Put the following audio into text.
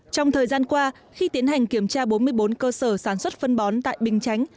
trong thời gian qua khi tiến hành kiểm tra bốn mươi bốn cơ sở sản xuất phân bón tại bình chánh